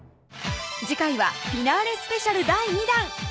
次回は「フィナーレスペシャル第２弾」